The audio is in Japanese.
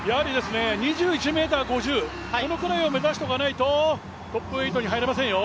２１ｍ５０、このくらいを目指していかないとトップ８に入れませんよ。